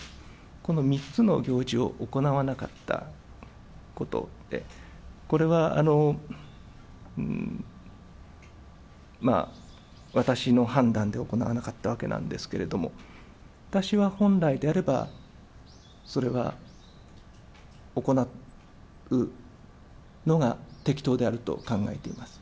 この３つの行事を行わなかったこと、これは、私の判断で行わなかったわけなんですけれども、私は本来であれば、それは行うのが適当であると考えています。